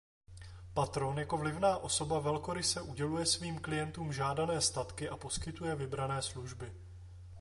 Patron jako vlivná osoba velkoryse uděluje svým klientům žádané statky a poskytuje vybrané služby.